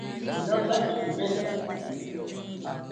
Irotaki iveta